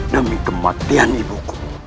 demi kematian ibuku